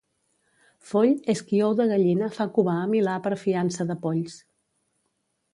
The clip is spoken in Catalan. Foll és qui ou de gallina fa covar a milà per fiança de polls.